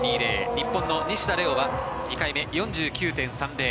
日本の西田玲雄は２回目は４９．３０。